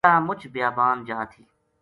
یاہ مُچ بیابان جا تھی